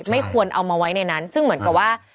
ไม่ควรเอามาไว้ในนั้นซึ่งเหมือนกับว่า